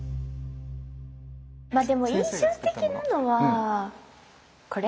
まあでも印象的なのはこれ？